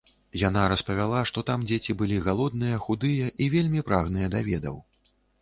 Яна распавяла, што там дзеці былі галодныя, худыя і вельмі прагныя да ведаў.